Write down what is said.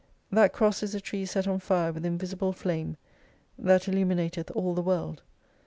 That Cross is a tree set on fire with invisible flame, that illumi nateth all the world.